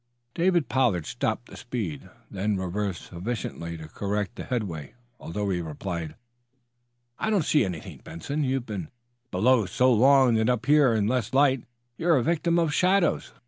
David Pollard stopped the speed, then reversed sufficiently to correct the headway, although he replied: "I don't see anything, Benson. You've been below so long that up here, in less light, you're a victim of shadows."